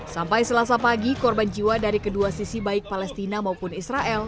sampai selasa pagi korban jiwa dari kedua sisi baik palestina maupun israel